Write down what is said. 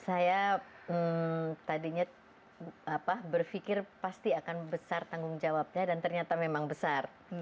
saya tadinya berpikir pasti akan besar tanggung jawabnya dan ternyata memang besar